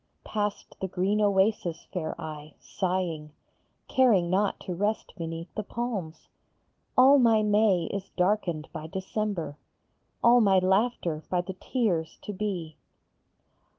Past the green oasis fare I, sighing, Caring not to rest beneath the palms. All my May is darkened by December, All my laughter by the tears to be.